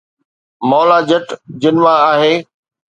’مولا جٽ‘ جن مان آهي